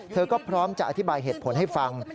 เธอก็พร้อมจะอธิบายเหตุผลให้ฟัง